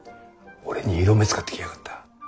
俺に色目使ってきやがった。